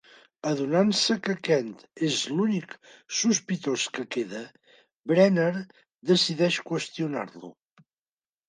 Adonant-se que Kent és l'únic sospitós que queda, Brenner decideix qüestionar-lo.